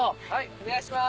お願いします。